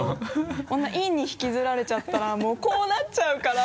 こんな陰に引きずられちゃったらもうこうなっちゃうから。